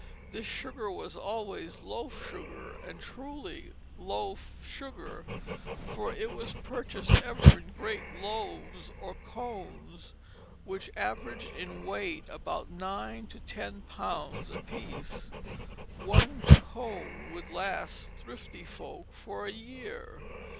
This sugar was always loaf sugar, and truly loaf sugar; for it was purchased ever in great loaves or cones which averaged in weight about nine to ten pounds apiece. One cone would last thrifty folk for a year.